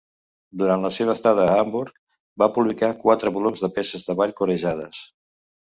Durant la seva estada a Hamburg va publicar quatre volums de peces de ball corejades.